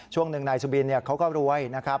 ช่วงหนึ่งนายสุบินเขาก็รวยนะครับ